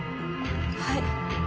はい。